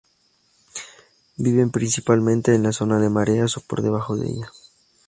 Viven principalmente en la zona de mareas o por debajo de ella.